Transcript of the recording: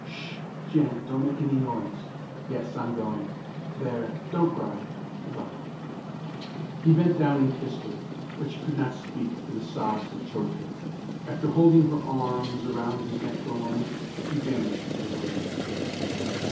"'Sh! Jen, don't make any noise. Yes, I'm going. There, don't cry good by!" He bent down and kissed her, but she could not speak for the sobs that choked her. After holding her arms around his neck for a moment, she vanished into her room.